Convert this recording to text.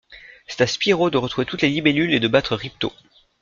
C'est à Spyro de retrouver toutes les libellules et de battre Ripto.